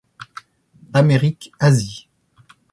Amérique, Asie.